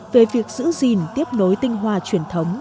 về việc giữ gìn tiếp nối tinh hoa truyền thống